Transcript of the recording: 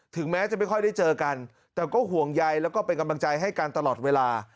แม้จะไม่ค่อยได้เจอกันแต่ก็ห่วงใยแล้วก็เป็นกำลังใจให้กันตลอดเวลา